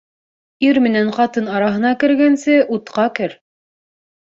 Ир менән ҡатын араһына кергәнсе, утҡа кер.